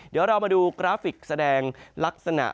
เดี๋ยวเรามาดูกราฟิกแสดงลักษณะ